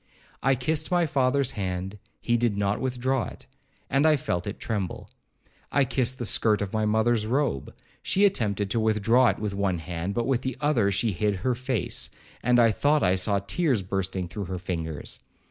I kissed my father's hand,—he did not withdraw it, and I felt it tremble. I kissed the skirt of my mother's robe,—she attempted to withdraw it with one hand, but with the other she hid her face, and I thought I saw tears bursting through her fingers.